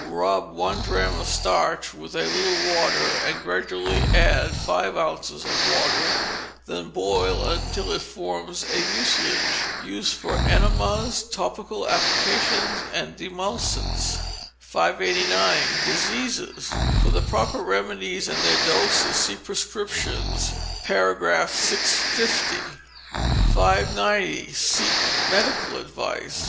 Rub one drachm of starch with a little water, and gradually add five ounces of water, then boil until it forms a mucilage. Use for enemas, topical applications, and demulcents. 589. Diseases. For the proper Remedies and their Doses see "Prescriptions" (par. 650). 590. Seek Medical Advice.